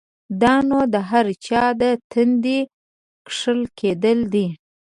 دا نو د هر چا د تندي کښل کېدل دی؛